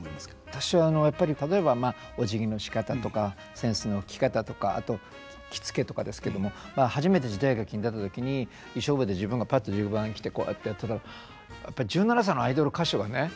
私はやっぱり例えばまあおじぎのしかたとか扇子の置き方とかあと着付けとかですけども初めて時代劇に出た時に衣装部屋で自分がぱっとじゅばん着てこうやってやってたらやっぱり１７歳のアイドル歌手がね。